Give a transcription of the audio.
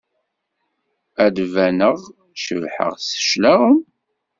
Ad d-baneɣ cebḥeɣ s cclaɣem?